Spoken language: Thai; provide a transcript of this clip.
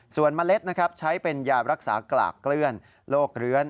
ส่วนเมล็ดนะครับใช้เป็นยารักษากลากเกลือนโรคเลื้อน